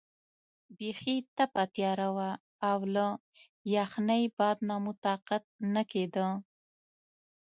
بیخي تپه توره شپه وه او له یخنۍ باد نه مو طاقت نه کېده.